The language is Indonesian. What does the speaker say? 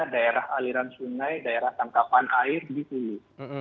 daerah aliran sungai daerah tangkapan air di hulu